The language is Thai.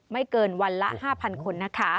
ไม่เกินวันละ๕๐๐คนนะคะ